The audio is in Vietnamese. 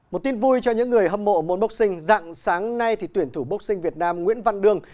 một tin vui cho những người hâm mộ môn bốc sinh dạng sáng nay thì tuyển thủ bốc sinh việt nam nguyễn văn đương